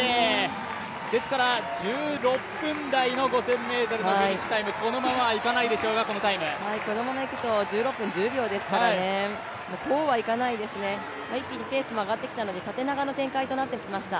ですから１６分台の５０００ｍのタイム、このままいくと１６分１０秒ですからこうはいかないですね、一気にペースも上がってきたので、縦長の展開となってきました。